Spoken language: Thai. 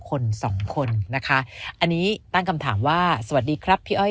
คนสองคนนะคะอันนี้ตั้งคำถามว่าสวัสดีครับพี่อ้อย